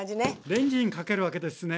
レンジにかけるわけですね。